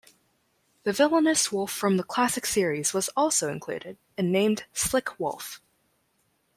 The villainous wolf from the classic series was also included, and named "Slick Wolf".